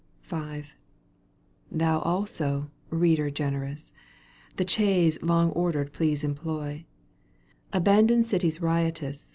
V. Thou also, reader generous. The chaise long ordered please employ, Abandon cities riotous.